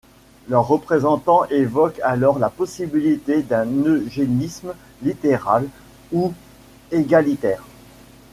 Leurs représentants évoquent alors la possibilité d'un eugénisme libéral ou égalitaire.